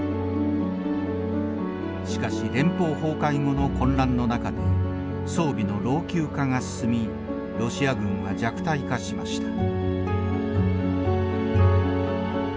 しかし連邦崩壊後の混乱の中で装備の老朽化が進みロシア軍は弱体化しました。